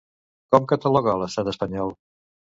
Com cataloga a l'estat espanyol?